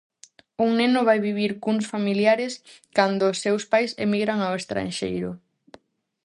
Un neno vai vivir cuns familiares cando os seus pais emigran ao estranxeiro.